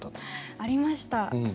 ありました。